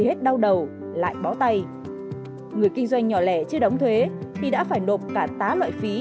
hết đau đầu lại bó tay người kinh doanh nhỏ lẻ chưa đóng thuế vì đã phải nộp cả tám loại phí